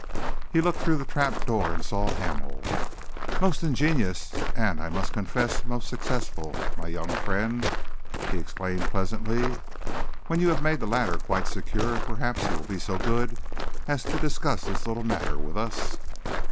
He looked through the trap door and saw Hamel. "Most ingenious and, I must confess, most successful, my young friend!" he exclaimed pleasantly. "When you have made the ladder quite secure, perhaps you will be so good as to discuss this little matter with us?"